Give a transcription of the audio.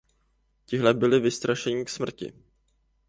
Tihle byli vystrašení k smrti.